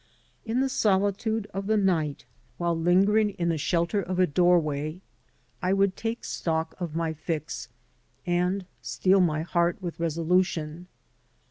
In the solitude of the night, while lingering 114 PURIFICATIONS in the shelter of a doorway, I would take stock of my fix and steel my heart with resolution.